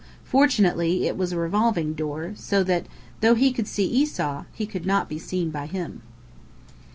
Fortunately, it was a revolving door, so that though he could see Esau, he could not be seen by him.